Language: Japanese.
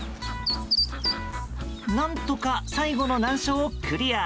何とか最後の難所をクリア。